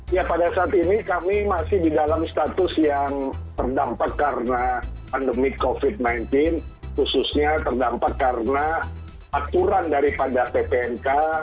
ya pada saat ini kami masih di dalam status yang terdampak karena pandemi covid sembilan belas khususnya terdampak karena aturan daripada ppnk